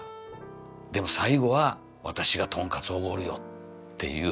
でも最後は私がとんかつおごるよっていう。